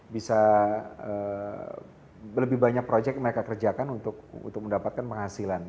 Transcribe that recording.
bisa lebih banyak proyek mereka kerjakan untuk mendapatkan penghasilan